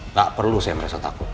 nggak perlu saya meresot aku